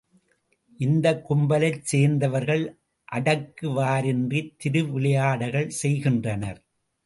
இந்தக் கும்பலைச் சேர்ந்தவர்கள் அடக்குவாரின்றித் திருவிளையாடல்கள் செய்கின்றனர்.